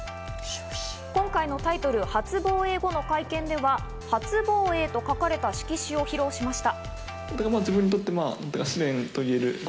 今回のタイトル初防衛後の会見では、「初防衛」と書かれた色紙を披露しました。